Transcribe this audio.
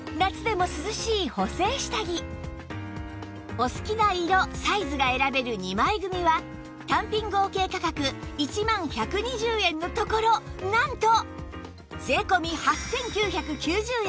お好きな色サイズが選べる２枚組は単品合計価格１万１２０円のところなんと税込８９９０円！